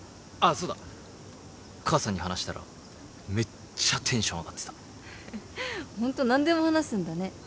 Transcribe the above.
そうだ母さんに話したらめっちゃテンション上がってたホント何でも話すんだね